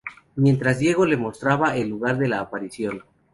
Mientras Diego le mostraba el lugar de la aparición.